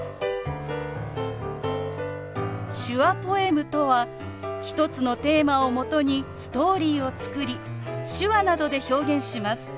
手話ポエムとは１つのテーマをもとにストーリーを作り手話などで表現します。